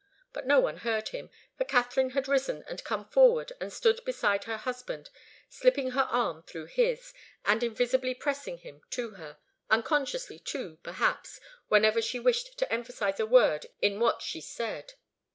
But no one heard him, for Katharine had risen and come forward and stood beside her husband, slipping her arm through his, and invisibly pressing him to her unconsciously, too, perhaps whenever she wished to emphasize a word in what she said.